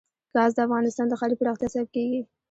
ګاز د افغانستان د ښاري پراختیا سبب کېږي.